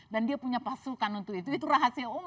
dan dia punya pasukan untuk itu itu rahasia umum